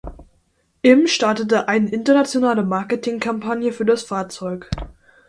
Im startete eine internationale Marketingkampagne für das Fahrzeug.